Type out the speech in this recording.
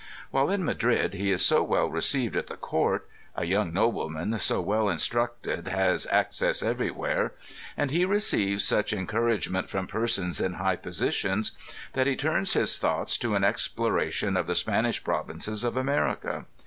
While in Madrid he is so well received at the Court ŌĆö a young nobleman so well in structed has access everywhere ŌĆö and he receives such encourage ment from persons in high positions, that he turns his thoughts to an exploration of the Spanish provinces of America.